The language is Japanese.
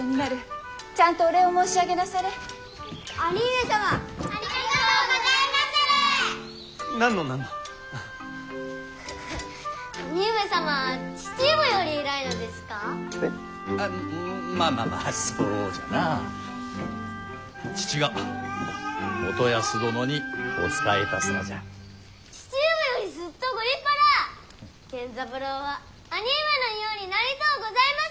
源三郎は兄上のようになりとうございます！